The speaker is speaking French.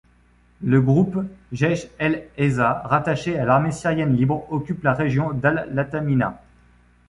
Le groupe Jaych al-Ezzah, rattaché à l'Armée syrienne libre, occupe la région d'al-Lataminah.